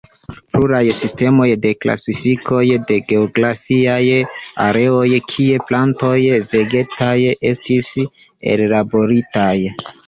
Pluraj sistemoj de klasifiko de geografiaj areoj kie plantoj vegetas, estis ellaboritaj.